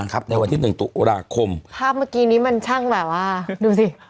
ครับในวันที่หนึ่งตุลาคมภาพเมื่อกี้นี้มันช่างแบบว่าดูสิ